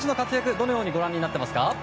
どのようにご覧になっていますか。